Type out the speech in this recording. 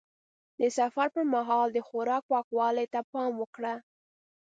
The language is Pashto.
د سفر پر مهال د خوراک پاکوالي ته پام وکړه.